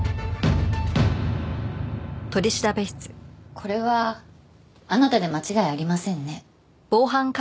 これはあなたで間違いありませんね？